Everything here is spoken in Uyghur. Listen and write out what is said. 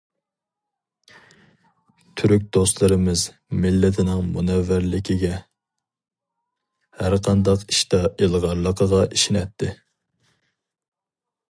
تۈرك دوستلىرىمىز مىللىتىنىڭ مۇنەۋۋەرلىكىگە، ھەرقانداق ئىشتا ئىلغارلىقىغا ئىشىنەتتى.